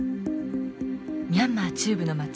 ミャンマー中部の町